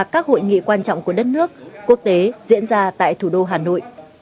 các hội nghị quan trọng của đất nước quốc tế diễn ra tại thủ đô hà nội